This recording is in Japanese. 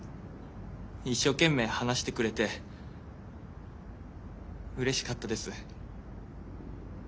一生懸命話してくれてうれしかったです。